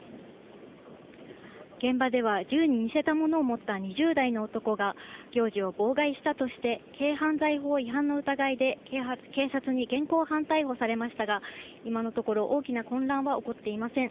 現場では、銃に似せたものを持った２０代の男が行事を妨害したとして、軽犯罪法違反の疑いで警察に現行犯逮捕されましたが、今のところ大きな混乱は起こっていません。